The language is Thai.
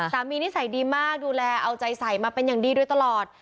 นิสัยดีมากดูแลเอาใจใส่มาเป็นอย่างดีโดยตลอด